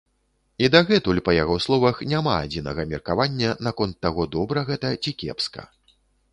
І дагэтуль, па яго словах, няма адзінага меркавання наконт таго, добра гэта ці кепска.